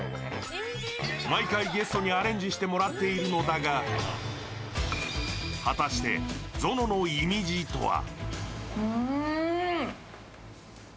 毎回ゲストにアレンジしてもらっているのだが、果たして、ぞののいみじとは？